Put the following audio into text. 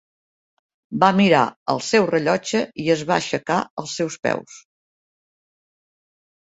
Va mirar el seu rellotge i es va aixecar als seus peus.